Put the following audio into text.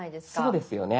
そうですよね。